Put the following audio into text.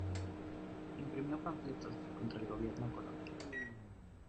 Imprimió panfletos contra el gobierno colonial.